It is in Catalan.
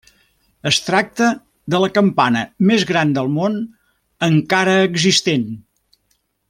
Es tracta de la campana més gran del món, encara existent.